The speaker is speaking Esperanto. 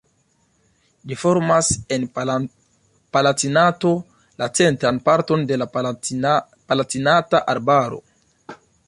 Ĝi formas en Palatinato la centran parton de la Palatinata Arbaro.